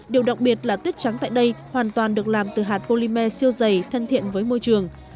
điều đặc biệt là tuyết trắng tại đây hoàn toàn được làm từ hạt polymer siêu dày thân thiện với môi trường